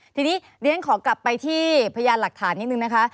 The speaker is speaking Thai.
ทีนี้เรียนขอกลับไปที่พยานหลักฐานนิดนึงนะคะ